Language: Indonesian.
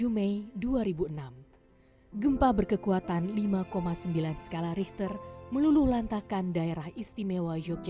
tujuh mei dua ribu enam gempa berkekuatan lima sembilan skala richter meluluh lantakan daerah istimewa yogyakarta